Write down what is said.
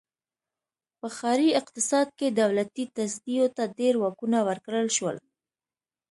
په ښاري اقتصاد کې دولتي تصدیو ته ډېر واکونه ورکړل شول.